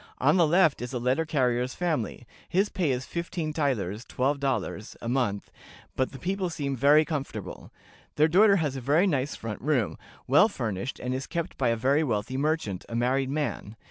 On the left is a letter carrier's family. His pay is fifteen thalers (twelve dollars) a month, but the people seem very comfortable. Their daughter has a very nice front room, well furnished, and is kept by a very wealthy merchant, a married man.